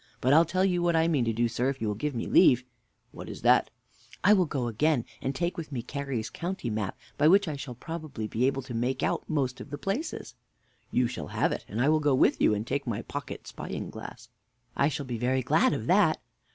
But I'll tell you what I mean to do, sir, if you will give me leave. Mr. A. What is that? W. I will go again, and take with me Carey's county map, by which I shall probably be able to make out most of the places. Mr. A. You shall have it, and I will go with you, and take my pocket spying glass. W. I shall be very glad of that.